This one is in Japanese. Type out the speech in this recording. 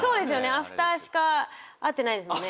アフターしか会ってないですもんね。